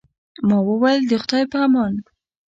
ما وویل، د خدای په امان.